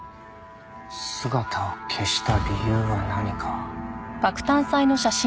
姿を消した理由は何か。